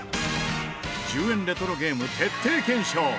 １０円レトロゲーム徹底検証